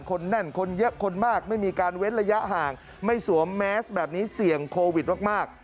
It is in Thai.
แน่นคนเยอะคนมากไม่มีการเว้นระยะห่างไม่สวมแมสแบบนี้เสี่ยงโควิดมาก